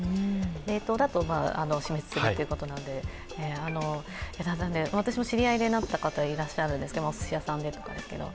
冷凍だと死滅するということなので、私も知り合いでなった方がいらっしゃるんですけれども、おすし屋さんで。